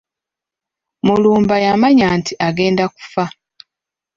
Mulumba yamanya nti agenda kufa.